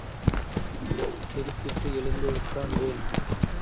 திடுக்கிட்டு எழுந்து உட்கார்ந்தேன்.